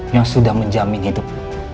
yang sudah menjamin hidup